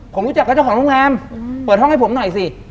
ผมรู้จักกับเจ้าของโรงแรมเปิดห้องให้ผมหน่อยสิ